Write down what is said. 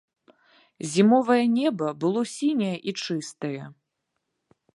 Зімовае неба было сіняе і чыстае.